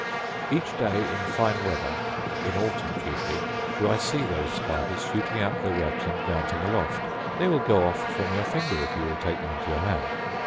Every day in fine weather, in autumn chiefly, do I see those spiders shooting out their webs and mounting aloft: they will go off from your finger if you will take them into your hand.